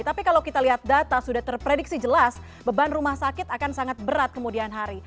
tapi kalau kita lihat data sudah terprediksi jelas beban rumah sakit akan sangat berat kemudian hari